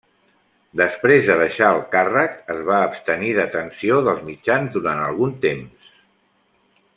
Després de deixar el càrrec es va abstenir d'atenció dels mitjans durant algun temps.